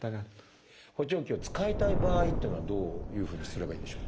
補聴器を使いたい場合っていうのはどういうふうにすればいいんでしょう？